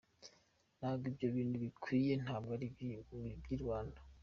Ntabwo ibyo bintu bikwiye, ntabwo ari iby’i Rwanda.